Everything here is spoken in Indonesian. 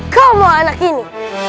kau mau anak ini